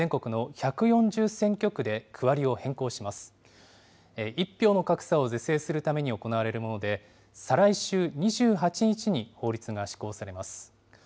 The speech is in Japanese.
１票の格差を是正するために行われるもので、再来週、２８日に法律が施行されます。